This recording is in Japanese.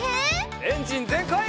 エンジンぜんかい！